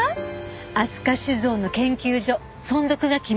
飛鳥酒造の研究所存続が決まったって。